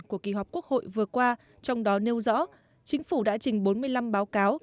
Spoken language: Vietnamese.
của kỳ họp quốc hội vừa qua trong đó nêu rõ chính phủ đã trình bốn mươi năm báo cáo